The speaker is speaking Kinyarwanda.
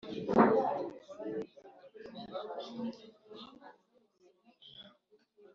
Ibyo aribyo byose amahoro ni ikintu kiba gifitanye ishingiro